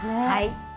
はい。